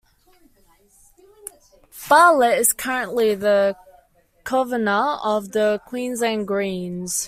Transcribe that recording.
Bartlett is currently the convenor of the Queensland Greens.